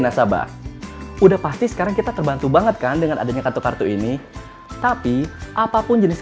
nasabah udah pasti sekarang kita terbantu banget kan dengan adanya kartu kartu ini tapi apapun jenis